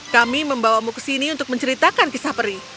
kami membawamu ke sini untuk menceritakan kisah peri